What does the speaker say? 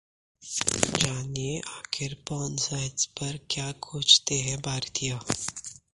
जानिए, आखिर porn sites पर क्या खोजते हैं भारतीय